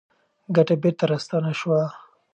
ګټه بېرته راستانه شوه.